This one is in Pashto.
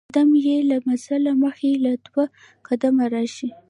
قدم له ئې منزل مخي له دوه قدمه راشي